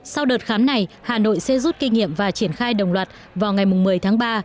sau đợt khám này hà nội sẽ rút kinh nghiệm và triển khai đồng loạt vào ngày một mươi tháng ba